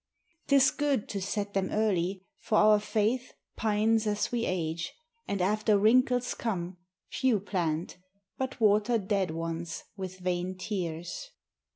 'T is good to set them early, for our faith Pines as we age, and, after wrinkles come, Few plant, but water dead ones with vain tears.